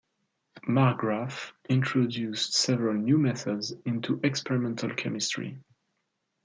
Marggraf introduced several new methods into experimental chemistry.